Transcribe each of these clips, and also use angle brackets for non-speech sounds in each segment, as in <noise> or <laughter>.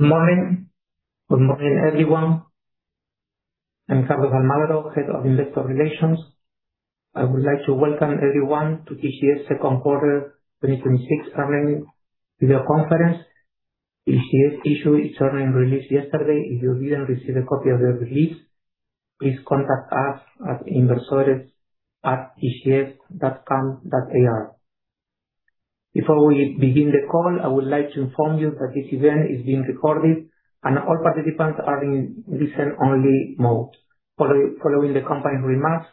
Morning. Good morning, everyone. I'm Carlos Almagro, Head of Investor Relations. I would like to welcome everyone to TGS second quarter 2026 earnings video conference. TGS issued its earnings release yesterday. If you didn't receive a copy of the release, please contact us at inversores@tgs.com.ar. Before we begin the call, I would like to inform you that this event is being recorded and all participants are in listen only mode. Following the company remarks,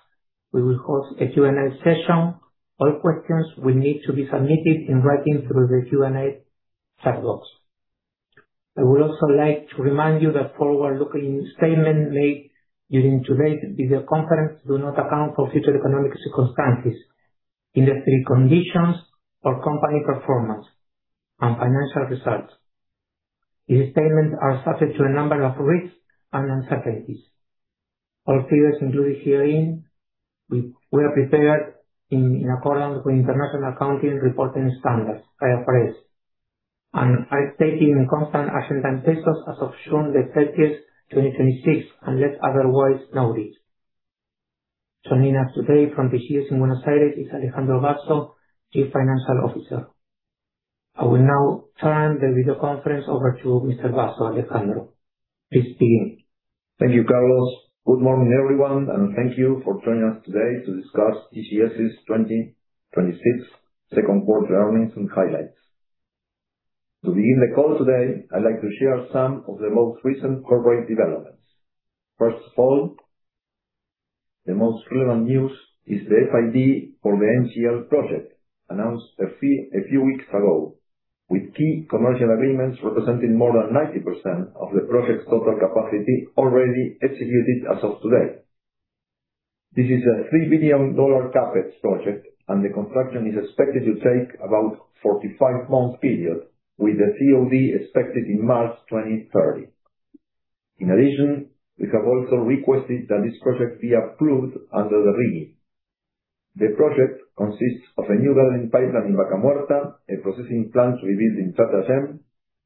we will host a Q&A session. All questions will need to be submitted in writing through the Q&A chat box. I would also like to remind you that forward-looking statements made during today's video conference do not account for future economic circumstances, industry conditions, or company performance and financial results. These statements are subject to a number of risks and uncertainties. All figures included herein, we are prepared in accordance with International Accounting Reporting Standards, IFRS, and are stated in constant Argentine pesos as of June 30th, 2026, unless otherwise noted. Joining us today from TGS in Buenos Aires is Alejandro Basso, Chief Financial Officer. I will now turn the video conference over to Mr. Basso. Alejandro, please begin. Thank you, Carlos. Good morning, everyone, and thank you for joining us today to discuss TGS's 2026 second quarter earnings and highlights. To begin the call today, I'd like to share some of the most recent corporate developments. First of all, the most relevant news is the FID for the NGL project, announced a few weeks ago, with key commercial agreements representing more than 90% of the project's total capacity already executed as of today. This is a $3 billion CapEx project, and the construction is expected to take about 45 months period, with the COD expected in March 2030. In addition, we have also requested that this project be approved under the Regime. The project consists of a new gathering pipeline in Vaca Muerta, a processing plant to be built in Tratayén,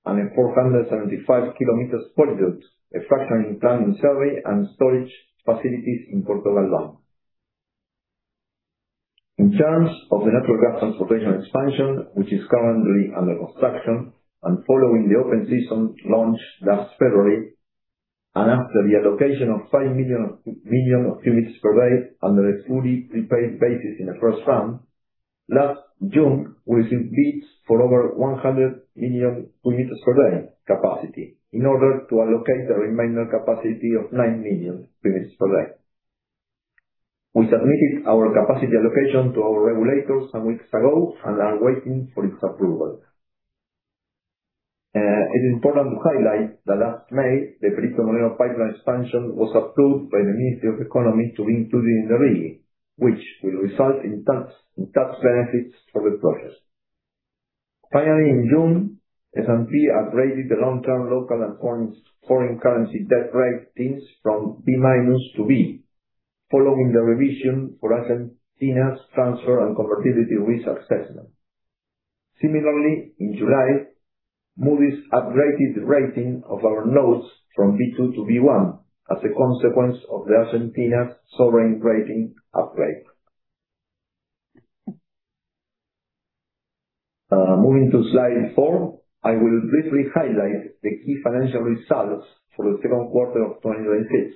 and a 475-km polyduct, a fractionation plant in Cerri, and storage facilities in Puerto Galván. In terms of the Natural Gas Transportation expansion, which is currently under construction and following the open season launch last February, and after the allocation of 5 million units per day under a fully prepaid basis in the first round, last June, we received bids for over 100 million units per day capacity in order to allocate the remaining capacity of 9 million units per day. We submitted our capacity allocation to our regulators some weeks ago and are waiting for its approval. It is important to highlight that last May, the Perito Moreno pipeline expansion was approved by the Ministry of Economy to be included in the Regime, which will result in tax benefits for the project. Finally, in June, S&P upgraded the long-term local and foreign currency debt ratings from B- to B, following the revision for Argentina's transfer and convertibility risk assessment. Similarly, in July, Moody's upgraded the rating of our notes from B2 to B1 as a consequence of the Argentina sovereign rating upgrade. Moving to slide four, I will briefly highlight the key financial results for the second quarter of 2026.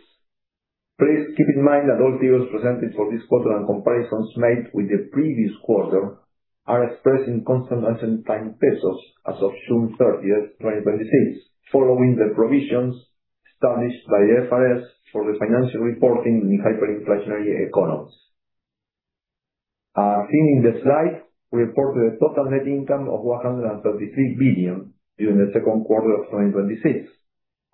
Please keep in mind that all figures presented for this quarter and comparisons made with the previous quarter are expressed in constant Argentine pesos as of June 30th, 2026, following the provisions established by the IFRS for the financial reporting in hyperinflationary economies. As seen in the slide, we reported a total net income of 133 billion during the second quarter of 2026,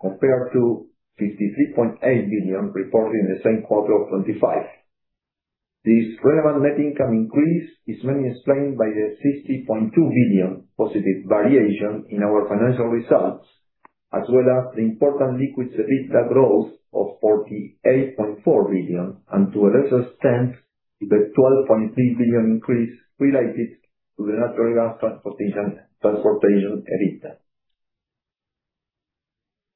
compared to 53.8 billion reported in the same quarter of 2025. This relevant net income increase is mainly explained by the 60.2 billion positive variation in our financial results, as well as the important liquids EBITDA growth of 48.4 billion, and to a lesser extent, the 12.3 billion increase related to the natural gas transportation EBITDA.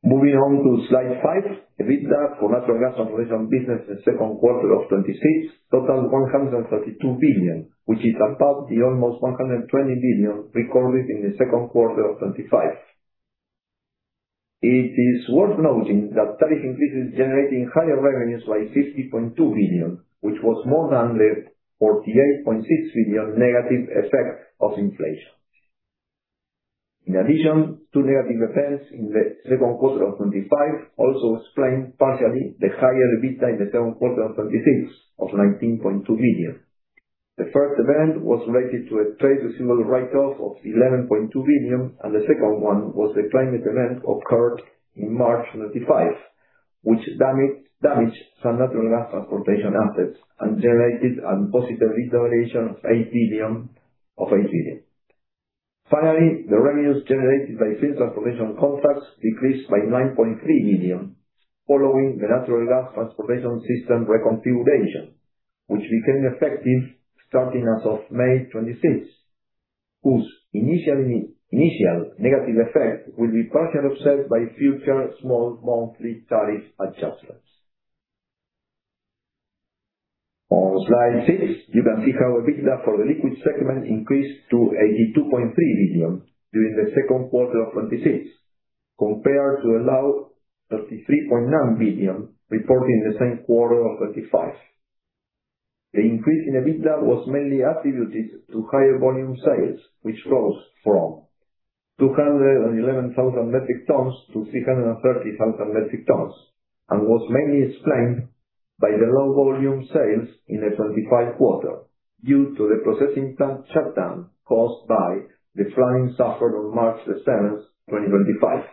Moving on to slide five. EBITDA for natural gas and oil business in the second quarter of 2026 totaled 132 billion, which is above the almost 120 billion recorded in the second quarter of 2025. It is worth noting that tariff increases generating higher revenues by 60.2 billion, which was more than the 48.6 billion negative effect of inflation. In addition, two negative events in the second quarter of 2025 also explain partially the higher EBITDA in the second quarter of 2026 of 19.2 billion. The first event was related to a trade receivable write-off of 11.2 billion, and the second one was the climate event occurred in March 2025, which damaged some natural gas transportation assets and generated a positive EBITDA variation of 8 billion. Finally, the revenues generated by transportation contracts decreased by 9.3 billion following the natural gas transportation system reconfiguration, which became effective starting as of May 2026. Whose initial negative effect will be partially offset by future small monthly tariff adjustments. On slide six, you can see how EBITDA for the liquids segment increased to 82.3 billion during the second quarter of 2026, compared to a low 33.9 billion reported in the same quarter of 2025. The increase in EBITDA was mainly attributed to higher volume sales, which rose from 211,000 metric tons to 330,000 metric tons, and was mainly explained by the low volume sales in the 2025 quarter due to the processing plant shutdown caused by the flooding suffered on March 7th, 2025.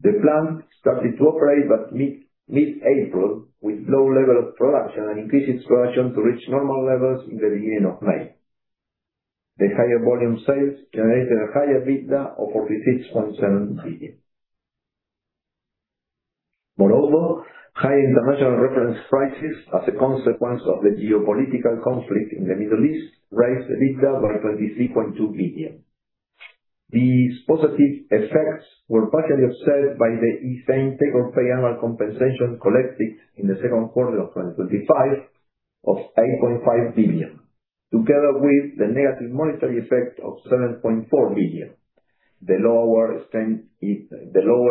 The plant started to operate by mid-April with low level of production and increased its production to reach normal levels in the beginning of May. The higher volume sales generated a higher EBITDA of ARS 46.7 billion. Moreover, high international reference prices as a consequence of the geopolitical conflict in the Middle East raised EBITDA by 23.2 billion. These positive effects were partially offset by the same take-or-pay annual compensation collected in the second quarter of 2025 of 8.5 billion, together with the negative monetary effect of 7.4 billion. The lower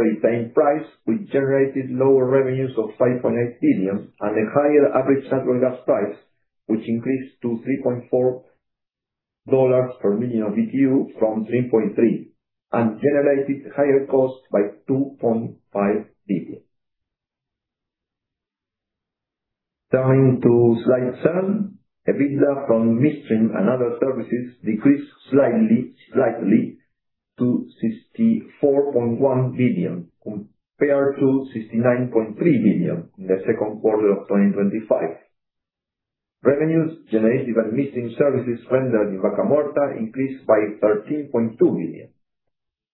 retained price, which generated lower revenues of 5.8 billion and a higher average natural gas price, which increased to ARS 3.4 per million BTU from 3.3 and generated higher costs by 2.5 billion. Turning to slide seven, EBITDA from midstream and other services decreased slightly to 64.1 billion, compared to 69.3 billion in the second quarter of 2025. Revenues generated by midstream services rendered in Vaca Muerta increased by 13.2 billion.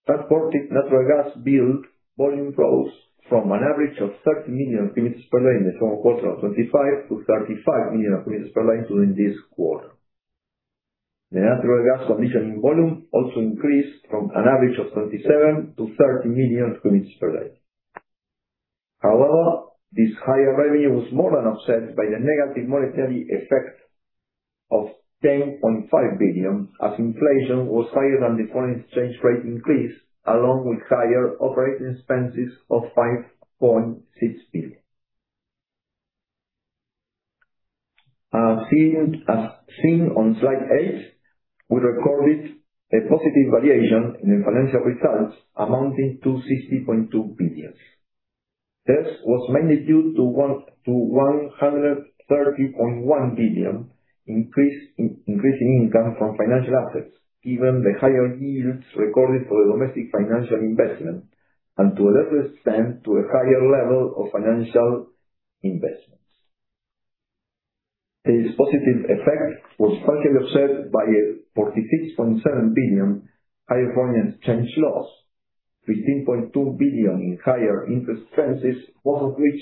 Transported natural gas billed volume rose from an average of 30 million cu m per day in the second quarter of 2025 to 35 million cu m per day during this quarter. The natural gas conditioning volume also increased from an average of 27 million cu m-30 million cu m per day. This higher revenue was more than offset by the negative monetary effect of 10.5 billion as inflation was higher than the foreign exchange rate increase, along with higher operating expenses of 5.6 billion. As seen on slide eight, we recorded a positive variation in the financial results amounting to 60.2 billion. This was mainly due to 130.1 billion increase in income from financial assets, given the higher yields recorded for the domestic financial investment and to a lesser extent, to a higher level of financial investments. This positive effect was partially offset by a 46.7 billion higher foreign exchange loss, 15.2 billion in higher interest expenses, most of which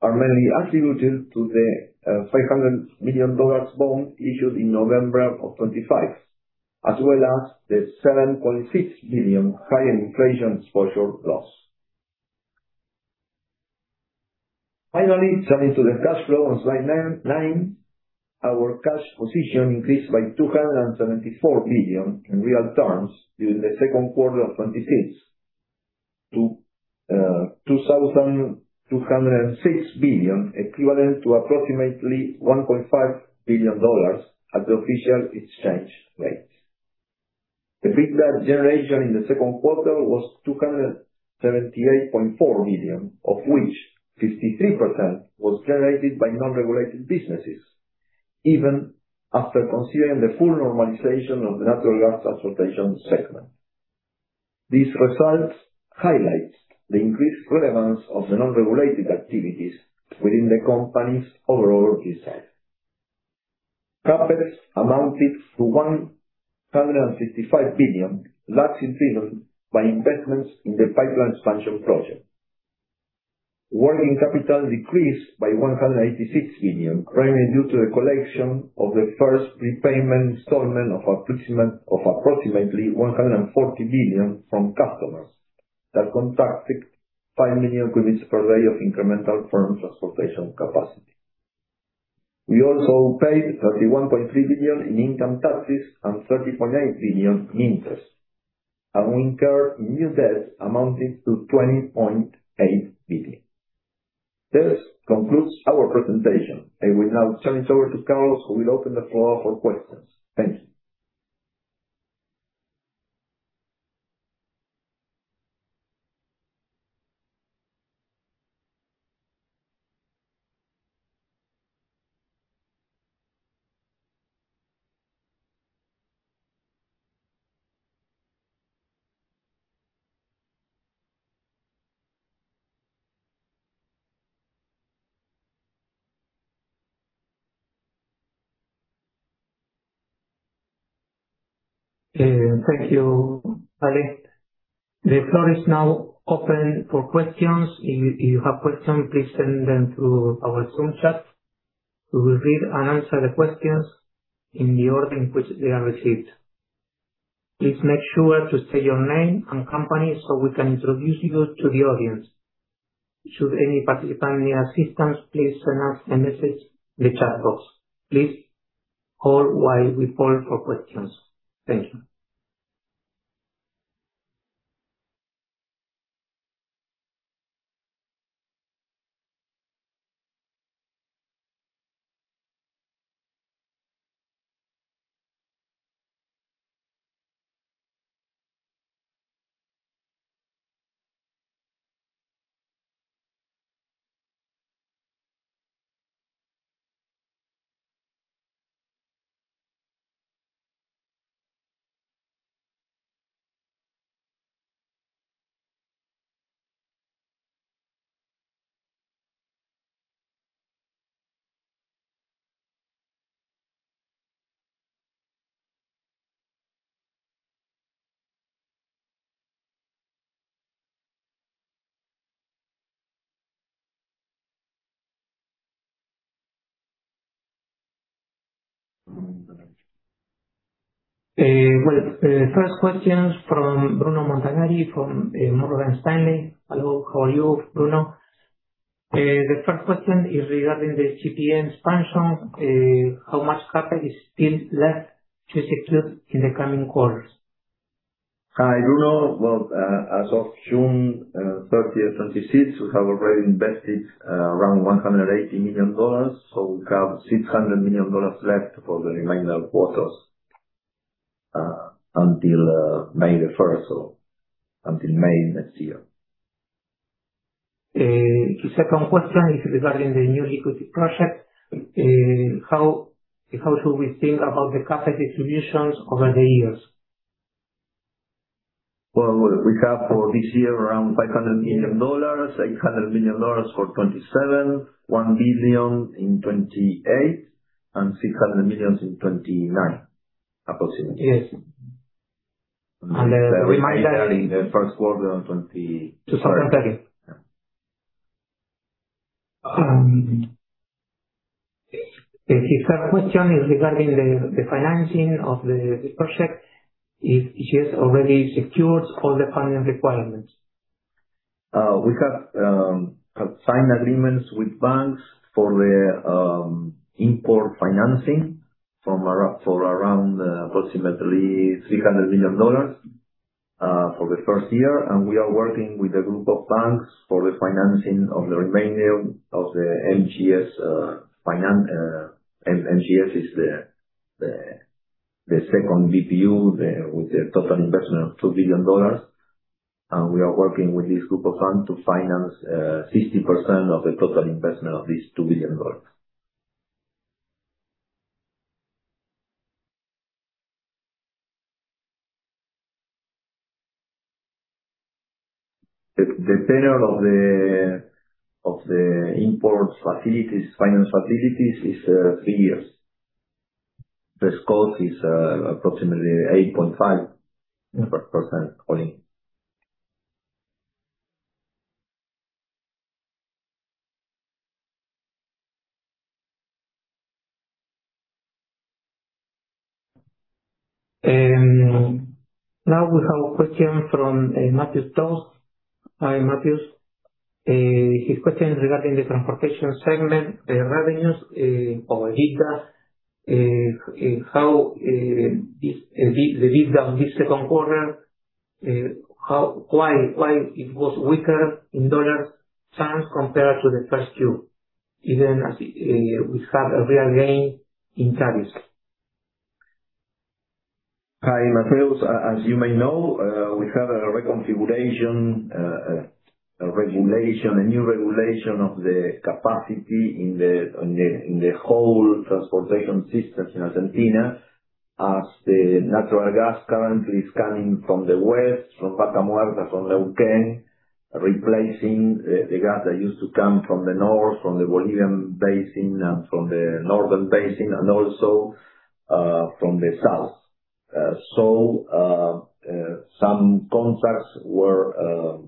are mainly attributed to the $500 million bond issued in November of 2025, as well as the 7.6 billion higher inflation exposure loss. Turning to the cash flow on slide nine, our cash position increased by 274 billion in real terms during the second quarter of 2026 to 2,206 billion, equivalent to approximately $1.5 billion at the official exchange rates. EBITDA generation in the second quarter was 278.4 billion, of which 53% was generated by non-regulated businesses, even after considering the full normalization of the Natural Gas Transportation segment. These results highlight the increased relevance of the non-regulated activities within the company's overall results. CapEx amounted to 165 billion, largely driven by investments in the pipeline expansion project. Working capital decreased by 186 billion, primarily due to the collection of the first prepayment installment of approximately 140 billion from customers that contracted 5 million cu m per day of incremental firm transportation capacity. We also paid 31.3 billion in income taxes and 30.8 billion in interest. We incurred new debts amounting to 20.8 billion. This concludes our presentation. I will now turn it over to Carlos, who will open the floor for questions. Thank you. Thank you, Ale. The floor is now open for questions. If you have questions, please send them through our Zoom chat. We will read and answer the questions in the order in which they are received. Please make sure to state your name and company so we can introduce you to the audience. Should any participant need assistance, please send us a message in the chat box. Please hold while we poll for questions. Thank you. Well, the first question's from Bruno Montanari from Morgan Stanley. Hello. How are you, Bruno? The first question is regarding the GPM expansion. How much CapEx is still left to execute in the coming quarters? Hi, Bruno. Well, as of June 30th, 2026, we have already invested around $180 million. We have $600 million left for the remainder of quarters until May the 1st. Until May next year. The second question is regarding the new equity project. How should we think about the CapEx distributions over the years? Well, we have for this year around $500 million, $800 million for 2027, $1 billion in 2028, and $600 million in 2029, approximately. Yes. The remainder in the first quarter of 2030. 2030. Yeah. His third question is regarding the financing of the project, if he has already secured all the funding requirements? We have signed agreements with banks for the import financing for around approximately $300 million for the first year. We are working with a group of banks for the financing of the remainder of the NGLs finance. NGLs is the second BPU with a total investment of $2 billion. We are working with this group of banks to finance 60% of the total investment of this $2 billion. The tenure of the imports facilities, finance facilities is three years. The scope is approximately 8.5% volume. We have a question from Matheus Dos. Hi, Matheus. His question is regarding the transportation segment, the revenues, or gigas, how the gigas this second quarter, why it was weaker in dollar terms compared to the first Q, even as we have a real gain in tariffs. Hi, Matheus. As you may know, we have a reconfiguration, a new regulation of the capacity in the whole transportation systems in Argentina, as the natural gas currently is coming from the west, from Vaca Muerta, from Neuquén, replacing the gas that used to come from the north, from the Bolivian basin and from the northern basin and also, from the south. Some contracts were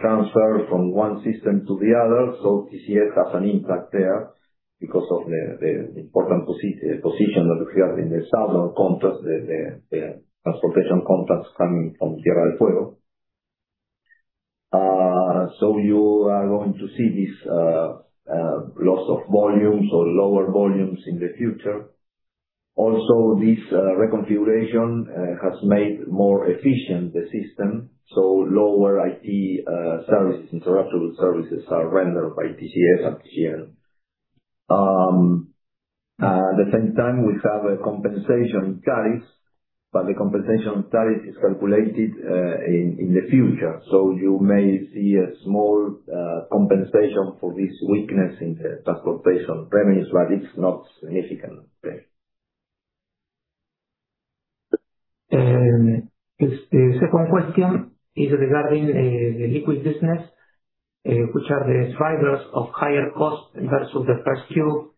transferred from one system to the other. TGS has an impact there because of the important position that we have in the southern contracts, the transportation contracts coming from Tierra del Fuego. You are going to see this loss of volumes or lower volumes in the future. Also, this reconfiguration has made more efficient the system, so lower IT services, interruptible services, are rendered by TGS up here. At the same time, we have a compensation in tariffs, the compensation tariff is calculated in the future. You may see a small compensation for this weakness in the transportation revenues, but it's not significant. Okay. The second question is regarding the liquids business, which are the drivers of higher costs versus the first Q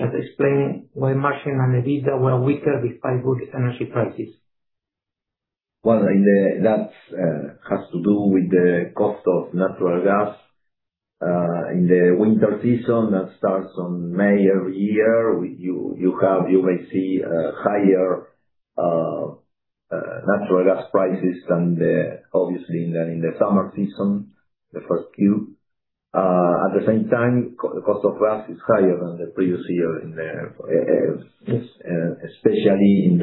that explain why margin and EBITDA were weaker despite good energy prices. Well, that has to do with the cost of natural gas. In the winter season that starts on May every year, you may see higher natural gas prices than obviously in the summer season, the first Q. At the same time, the cost of gas is higher than the previous year, especially in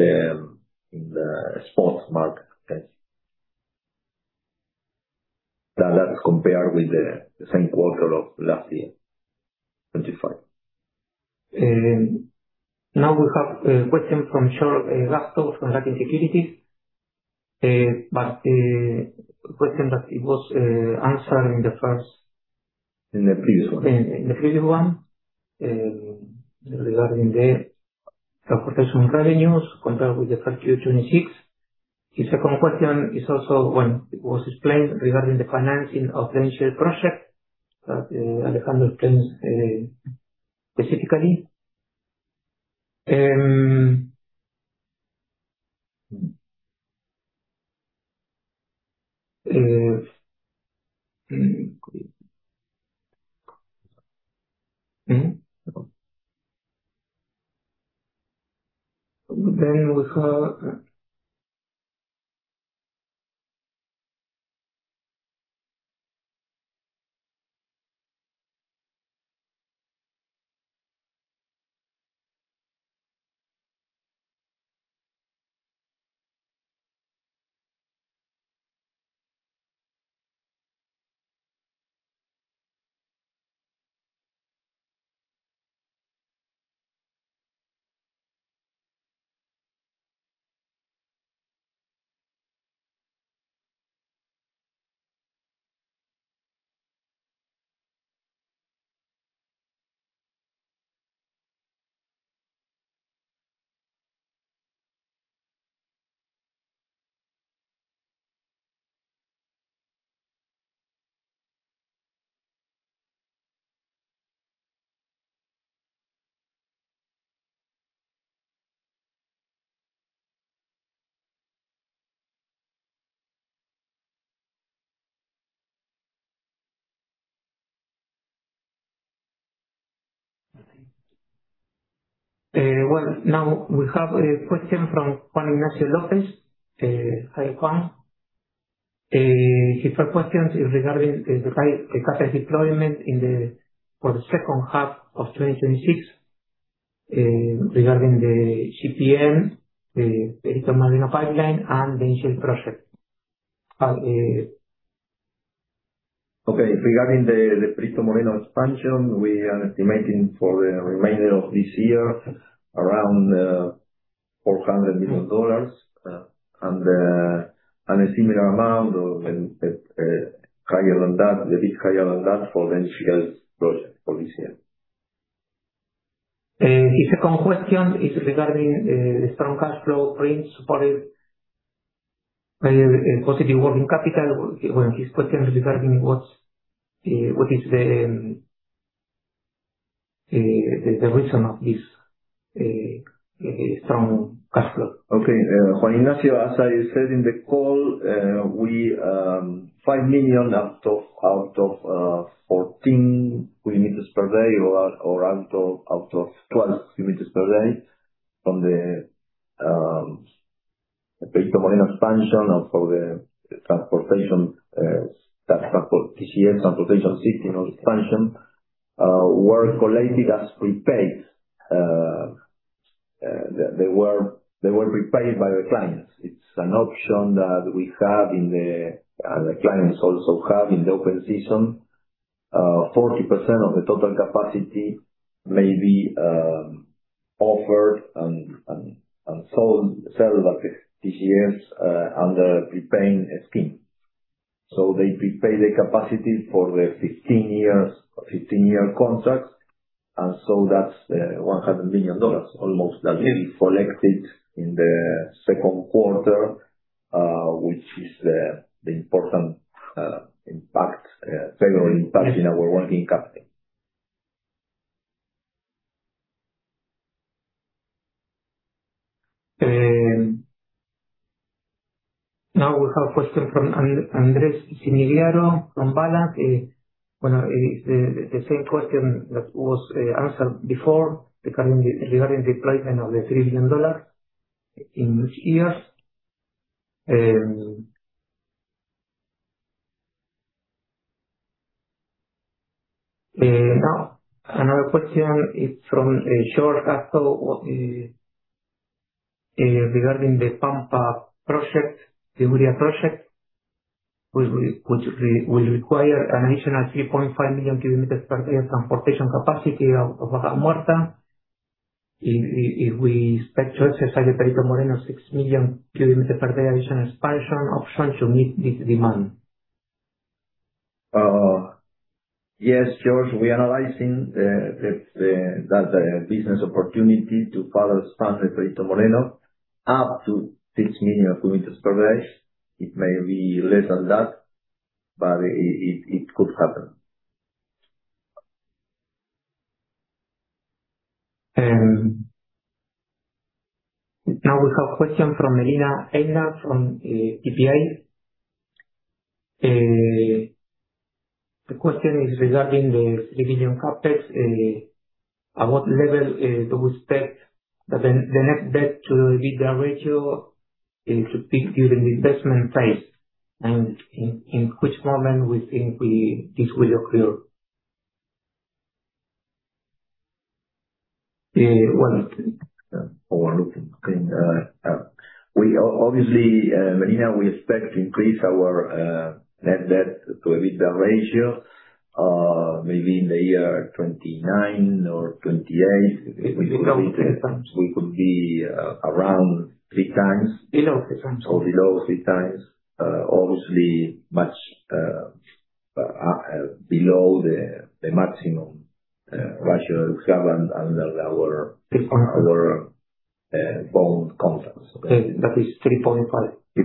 the spot market. That compared with the same quarter of last year, 2025. We have a question from George Glasgow from <inaudible> Securities, the question that it was answered in the first. In the previous one. In the previous one, regarding the transportation revenues compared with the first Q 2026. His second question is also one, it was explained regarding the financing of initial project that Alejandro explained specifically. Well, we have a question from Juan Ignacio Lopez. Hi, Juan. His first question is regarding the capacity deployment for the second half of 2026, regarding the GPM, the Perito Moreno pipeline, and the initial project. Okay, regarding the Perito Moreno expansion, we are estimating for the remainder of this year $400 million and a similar amount, or a bit higher than that for the initial project for this year. His second question is regarding the strong cash flow, pretty supported by a positive working capital. Well, his question is regarding what is the reason of this strong cash flow? Okay. Juan Ignacio, as I said in the call, 5 million out of 14 cu m per day or out of 12 cu m per day from the Perito Moreno expansion and for the TGS Transportation System expansion, were collected as prepaid. They were prepaid by the clients. It's an option that we have, and the clients also have in the open season. 40% of the total capacity may be offered and sold by the TGS under a prepay scheme. They prepay the capacity for the 15-year contract. That's $100 million, almost that will be collected in the second quarter, which is the important impact, favorable impact in our working capital. We have a question from Andres Cirnigliaro from Balanz. Well, the same question that was answered before regarding the deployment of the $3 billion in which years. Another question is from George Glasgow, regarding the Pampa project, the urea project, which will require an additional 3.5 million cu m per day of transportation capacity out of Vaca Muerta. If we exercise the Perito Moreno 6 million cu m per day additional expansion option to meet this demand. Yes, George, we are analyzing that business opportunity to further expand Perito Moreno up to 6 million of cubic storage. It may be less than that, but it could happen. We have a question from Marina Eyna from PPI. The question is regarding the $3 billion CapEx. At what level do we expect the net debt to EBITDA ratio to peak during the investment phase, and in which moment we think this will occur? Obviously, Marina, we expect to increase our net debt to EBITDA ratio maybe in the year 2029 or 2028. Below 3x. We could be around 3x. Below 3x. Below 3x. Obviously, much below the maximum ratio governed under our bond contracts. That is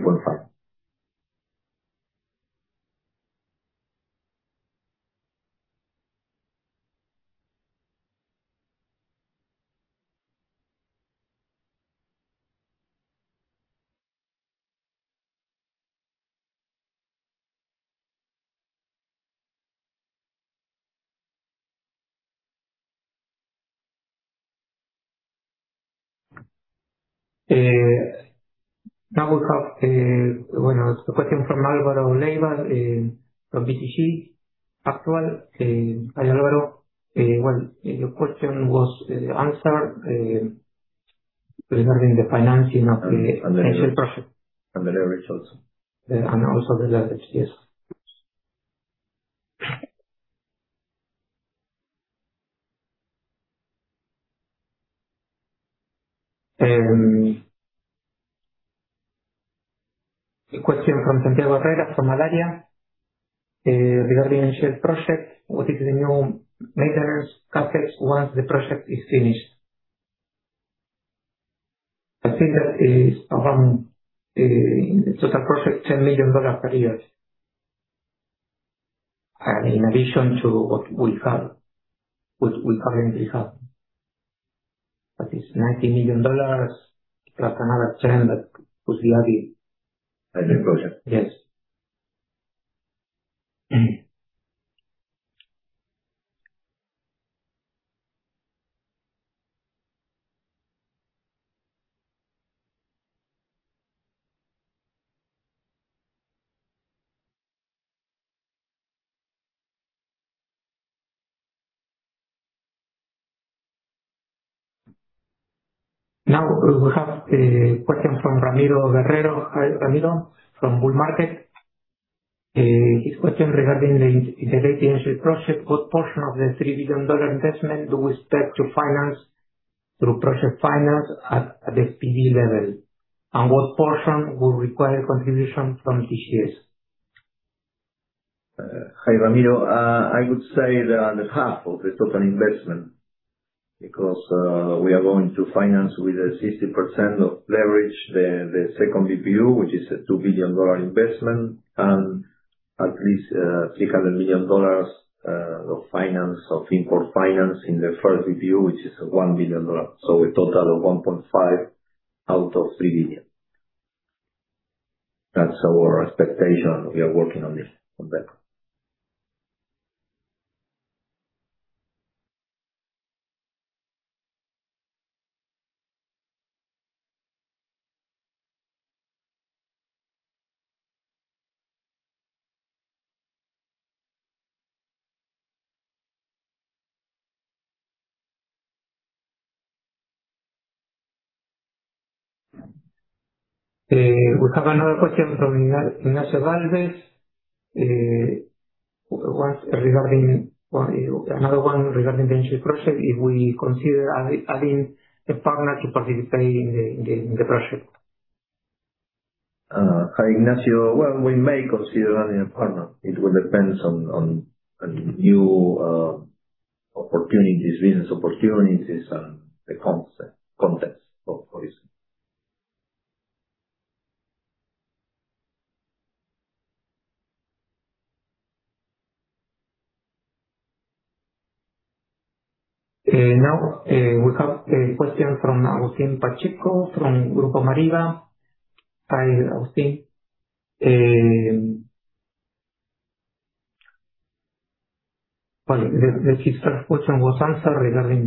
3.5x. 3.5x. We have a question from Alvaro Garcia from BTG Pactual. Hi, Alvaro. Your question was answered regarding the financing of the NGLs project. The leverage also. Also the leverage. Yes. A question from Santiago Herrera from Allaria regarding NGLs project. What is the new maintenance CapEx once the project is finished? I think that is around, it's a project, $10 million per year. In addition to what we currently have. That is $90 million, plus another $10 million that would be added. In the project. Yes. Now we have a question from Ramiro Guerrero. Hi, Ramiro, from Bull Market. His question regarding the NGL project. What portion of the $3 billion investment do we expect to finance through project finance at the SPV level? And what portion will require contribution from TGS? Hi, Ramiro. I would say around half of the total investment because we are going to finance with a 60% of leverage the second PPU, which is a $2 billion investment, and at least $300 million of import finance in the first PPU, which is $1 billion. A total of $1.5 billion out of $3 billion. That's our expectation. We are working on that. We have another question from Ignacio Valdez. Another one regarding the NGLs project. If we consider adding a partner to participate in the project. Hi, Ignacio. Well, we may consider adding a partner. It will depend on new business opportunities and the context, obviously. Now, we have a question from Agustin Pacheco, from Banco Mariva. Hi, Agustin. Well, his first question was answered regarding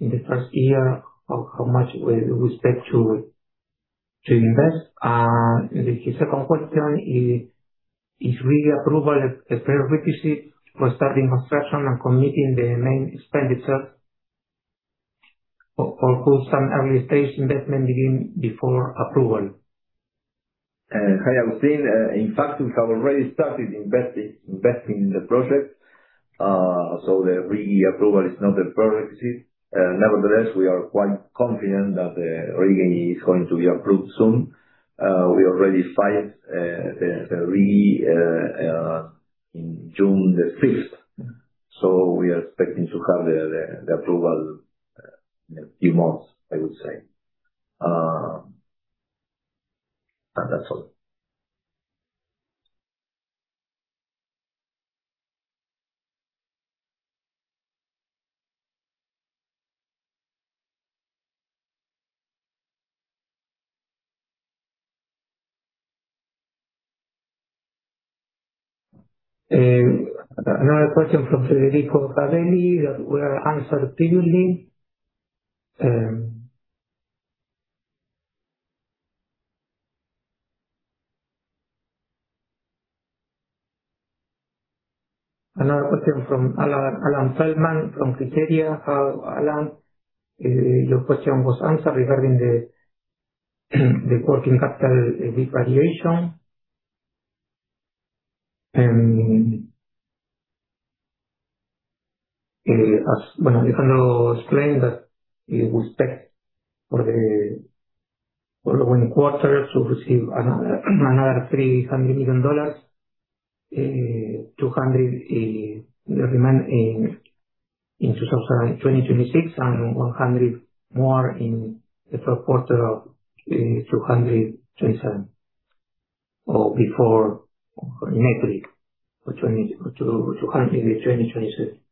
in the first year of how much we expect to invest. His second question, is RIGI approval a prerequisite for starting construction and committing the main expenditure, or could some early-stage investment begin before approval? Hi, Agustin. In fact, we have already started investing in the project. The RIGI approval is not a prerequisite. Nevertheless, we are quite confident that the RIGI is going to be approved soon. We already filed the RIGI in June the 5th, we are expecting to have the approval in a few months, I would say. That's all. Another question from Federico Favelli that were answered previously. Another question from Alan Feldman from Criteria. Alan, your question was answered regarding the working capital big variation. As Alejandro explained, that we would expect for the following quarter to receive another $300 million, $200 remain in 2026, and $100 more in the first quarter of 2027, or before next week, which will be 2026.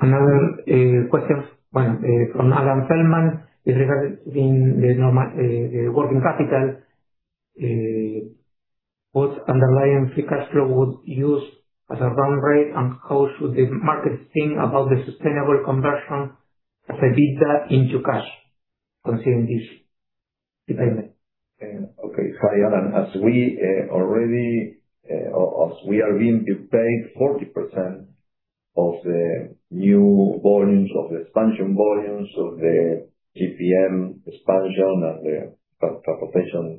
Another question from Alan Feldman regarding the working capital, what underlying free cash flow would use as a run rate, and how should the market think about the sustainable conversion of EBITDA into cash considering this payment? Okay. Hi, Alan. As we are being paid 40% of the new volumes of the expansion volumes of the GPM expansion and the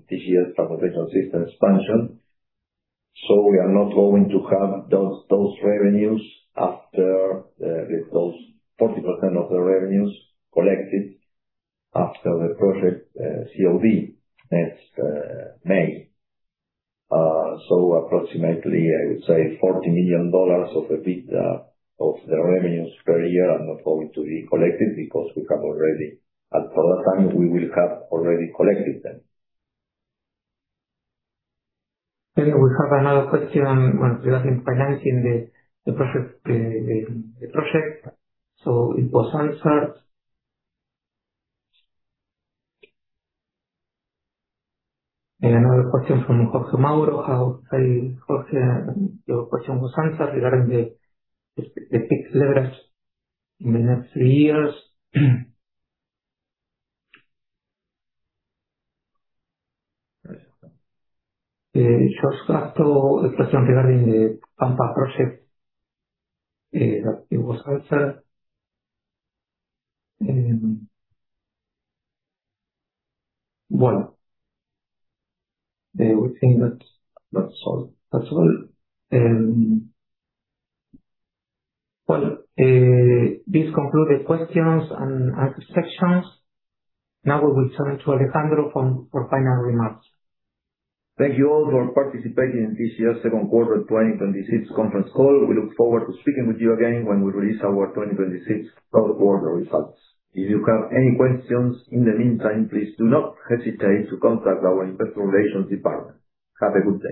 TGS transportation system expansion. We are not going to have those revenues after those 40% of the revenues collected after the project COD next May. Approximately, I would say $40 million of EBITDA of the revenues per year are not going to be collected because at that time, we will have already collected them. We have another question regarding financing the project. It was answered. Another question from Jorge Mauro. Hi, Jorge. Your question was answered regarding the fixed leverage in the next three years. Jorge asked a question regarding the Pampa project. It was answered. Well, we think that's all. Well, this concludes the questions-and-answers sections. Now we will turn to Alejandro for final remarks. Thank you all for participating in TGS second quarter 2026 conference call. We look forward to speaking with you again when we release our 2026 third quarter results. If you have any questions in the meantime, please do not hesitate to contact our investor relations department. Have a good day.